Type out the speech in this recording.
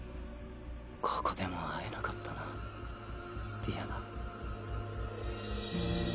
ここでも会えなかったなディアナ。